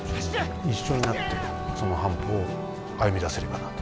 一緒になってその半歩を歩みだせればなと。